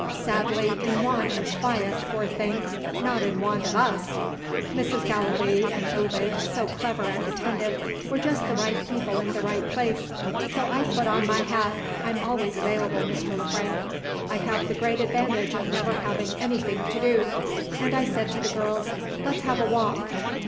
Sadly in want of quiet, poor thing not in want of us. Mrs. Gallilee and Ovid, so clever and attentive, were just the right people in the right place. So I put on my hat I'm always available, Mr. Le Frank; I have the great advantage of never having anything to do and I said to the girls, 'Let's have a walk.